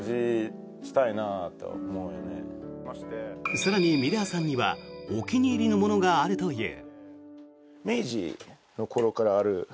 更に、ミラーさんにはお気に入りのものがあるという。